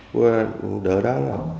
của đỡ đó